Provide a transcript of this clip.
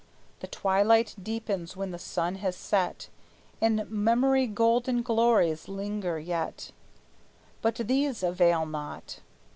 The twilight deepens when the sun has set; In memory golden glories linger yet; But these avail not.